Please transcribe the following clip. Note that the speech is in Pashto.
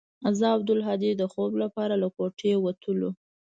زه او عبدالهادي د خوب لپاره له كوټې وتلو.